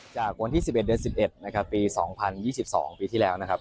จากวันที่๑๑เดือน๑๑นะครับปี๒๐๒๒ปีที่แล้วนะครับ